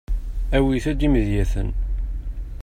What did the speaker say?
Awit-d imedyaten.